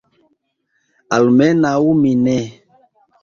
Almenaŭ mi ne.